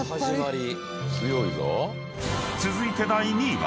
［続いて第２位は］